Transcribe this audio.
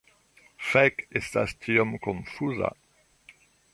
Fek, estas tiom konfuza…